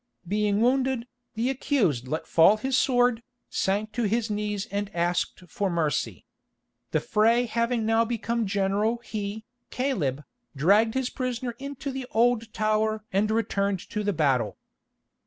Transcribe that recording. Being wounded, the accused let fall his sword, sank to his knees and asked for mercy. The fray having now become general he, Caleb, dragged his prisoner into the Old Tower and returned to the battle.